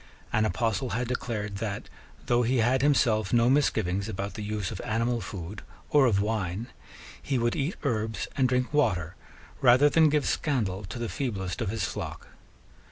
An apostle had declared that, though he had himself no misgivings about the use of animal food or of wine, he would eat herbs and drink water rather than give scandal to the feeblest of his flock.